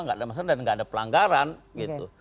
gak ada masalah dan gak ada pelanggaran gitu